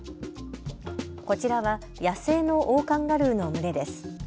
こちらは野生のオオカンガルーの群れです。